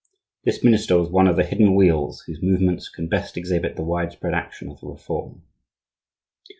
This minister was one of the hidden wheels whose movements can best exhibit the wide spread action of the Reform.